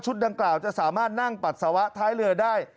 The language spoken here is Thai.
ดังกล่าวจะสามารถนั่งปัสสาวะท้ายเรือได้